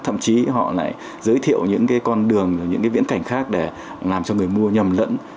thậm chí họ lại giới thiệu những con đường những cái viễn cảnh khác để làm cho người mua nhầm lẫn